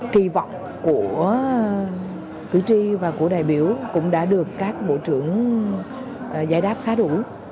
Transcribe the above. kỳ vọng của cử tri và của đại biểu cũng đã được các bộ trưởng giải đáp khá đủ